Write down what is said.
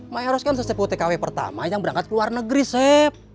maeros kan seseput tkw pertama yang berangkat ke luar negeri feb